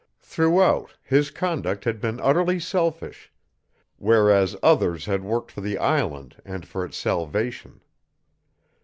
Throughout his conduct had been utterly selfish, whereas others had worked for the island and for its salvation.